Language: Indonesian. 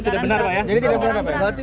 jadi itu tidak benar ya